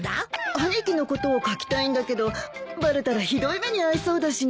兄貴のことを書きたいんだけどバレたらひどい目に遭いそうだしな。